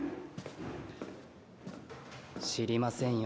知りませんよ。